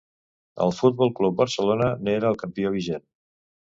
El Futbol Club Barcelona n'era el campió vigent.